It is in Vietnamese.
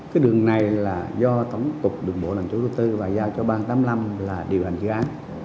cái đường này là do tổng cục đường bộ lành chối quốc tư và giao cho bang tám mươi năm là điều hành dự án